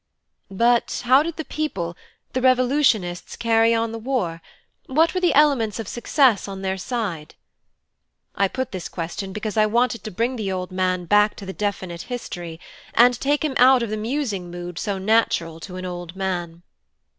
"But how did the people, the revolutionists, carry on the war? What were the elements of success on their side?" I put this question, because I wanted to bring the old man back to the definite history, and take him out of the musing mood so natural to an old man.